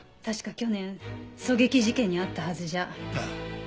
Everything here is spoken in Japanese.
確か去年狙撃事件に遭ったはずじゃ。